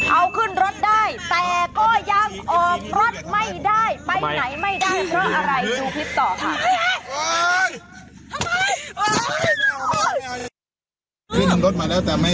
เอาขึ้นรถได้แต่ก็ยังออมรถไม่ได้